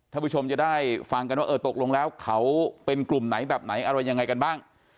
ผู้ชมจะได้ฟังกันว่าเออตกลงแล้วเขาเป็นกลุ่มไหนแบบไหนอะไรยังไงกันบ้าง